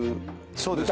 そうです。